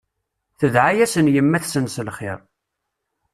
Tedɛa-yasen yemma-tsen s lxir.